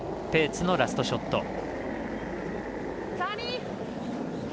ペーツのラストショット。